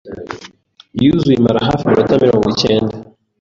iYuzuye imara hafi iminota mirongo ikenda